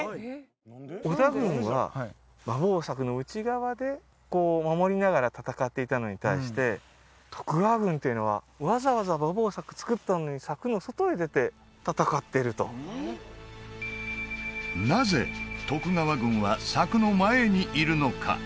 織田軍は馬防柵の内側で守りながら戦っていたのに対して徳川軍っていうのはわざわざ馬防柵作ったのに柵の外へ出て戦っているとなぜ徳川軍は柵の前にいるのか？